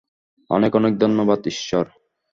অনেক অনেক ধন্যবাদ, ঈশ্বর।